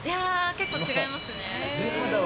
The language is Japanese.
結構違いますね。